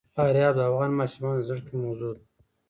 فاریاب د افغان ماشومانو د زده کړې موضوع ده.